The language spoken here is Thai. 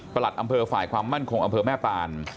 อำเภอฝ่ายความมั่นคงอำเภอแม่ปาน